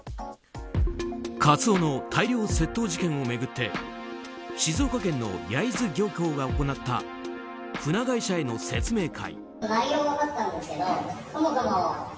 カツオの大量窃盗事件を巡って静岡県の焼津漁協が行った船会社への説明会。